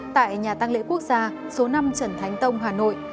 tại nhà tăng lễ quốc gia số năm trần thánh tông hà nội